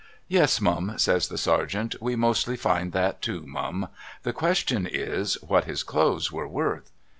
' Yes Mum ' says the sergeant, * we mostly find that too Mum. The question is what his clothes were worth.'